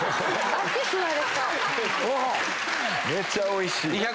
めっちゃおいしい。